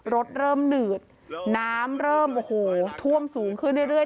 เริ่มหนืดน้ำเริ่มโอ้โหท่วมสูงขึ้นเรื่อย